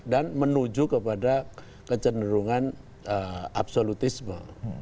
menuju kepada kecenderungan absolutisme